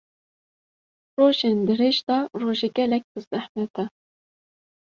rojên dirêj de rojî gelek bi zehmet e